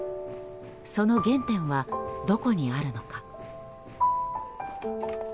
その原点はどこにあるのか。